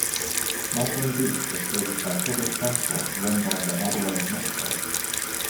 Maslin Beach is serviced by public transport run by the Adelaide Metro.